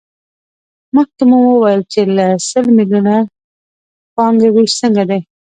مخکې مو وویل چې له سل میلیونو پانګې وېش څنګه دی